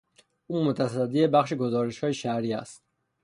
او متصدی بخش گزارشهای شهری است.